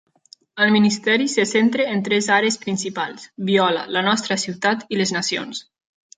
El ministeri se centra en tres àrees principals: Biola, la nostra ciutat, i les Nacions.